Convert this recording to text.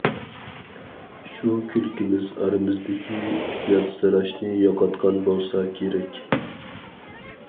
شۇ كۈلكىمىز ئارىمىزدىكى ياتسىراشنى يوقاتقان بولسا كېرەك.